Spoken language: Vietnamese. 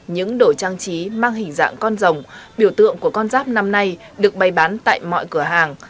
những đồ trang trí mang hình dạng con rồng biểu tượng của con ráp năm nay được bày bán tại mọi cửa hàng